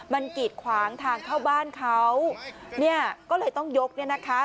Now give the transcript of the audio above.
มันกีดขวางทางเข้าบ้านเขาเนี่ยก็เลยต้องยกเนี่ยนะคะ